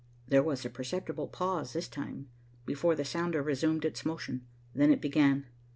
There was a perceptible pause this time, before the sounder resumed its motion. Then it began.